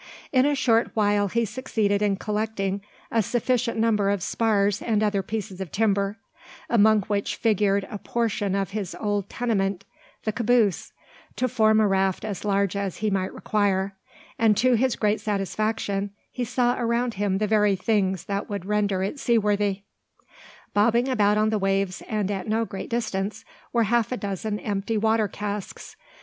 In a short while he succeeded in collecting a sufficient number of spars and other pieces of timber, among which figured a portion of his own old tenement, the caboose, to form a raft as large as he might require; and to his great satisfaction he saw around him the very things that would render it seaworthy. Bobbing about on the waves, and at no great distance, were half a dozen empty water casks.